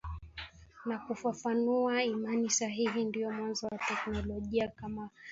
na kufafanua imani sahihi ndiyo mwanzo wa teolojia kama fani